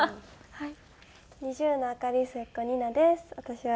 はい。